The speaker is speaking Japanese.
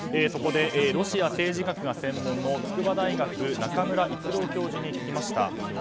そこでロシア政治学が専門の筑波大学中村逸郎教授に聞きました。